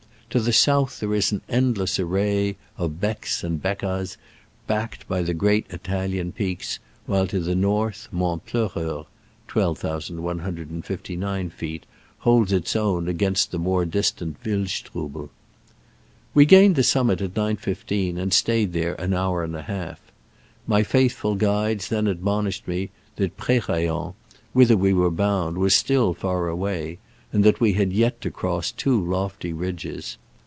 To the south there is an endless array of Bees and Beccas, backed by the great Italian peaks, whilst to the north Mont Pleureur (12,159 feet) Isolds its own against the more distant Wildstrubel. We gained the summit at 9.15, and stayed there an hour and a half. My faithful guides then admonished me that Prerayen, whither we were bound, was still far away, and that we had yet to cross two lofty ridges.